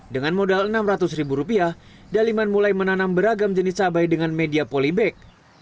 dengan modal rp enam ratus daliman mulai menanam beragam jenis cabai dengan media polybag